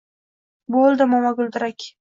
Bo’ldi momoguldirak.